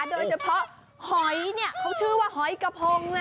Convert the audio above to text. โดยเฉพาะหอยเนี่ยเขาชื่อว่าหอยกระพงเลย